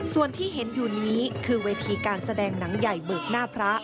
ส่วนที่เห็นอยู่นี้คือเวทีการแสดงหนังใหญ่เบิกหน้าพระ